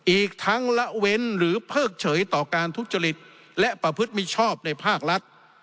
อีกทั้งละเว้นหรือเพิกเฉยต่อการทุจริตและประพฤติมิชชอบในภาครัฐ